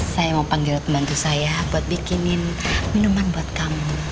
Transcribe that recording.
saya mau panggil pembantu saya buat bikinin minuman buat kamu